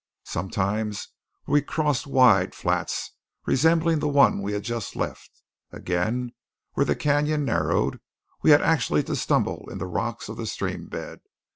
Sometimes we crossed wide flats, resembling the one we had just left; again, where the cañon narrowed, we had actually to stumble in the rocks of the stream bed.